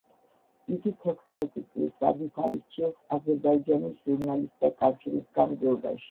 იგი თექვსმეტი წლის ვადით აირჩიეს აზერბაიჯანის ჟურნალისტთა კავშირის გამგეობაში.